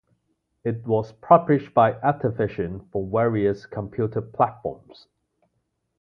It was published by Activision for various computer platforms.